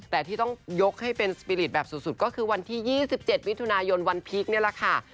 แต่ที่ต้องยกให้เป็นสปีริตแบบสุดก็คือวันที่๒๗มิถุนายนวันพีคนี่แหละค่ะ